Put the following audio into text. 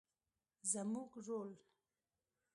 زموږ رول